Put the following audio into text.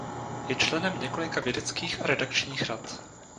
Je členem několika vědeckých a redakčních rad.